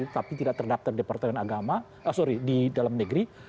tapi tidak terdaftar departemen agama sorry di dalam negeri